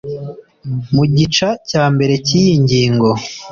mu gica cyambere cy iyi ngingo